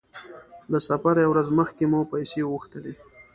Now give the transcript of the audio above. له سفره يوه ورځ مخکې مو پیسې وغوښتلې.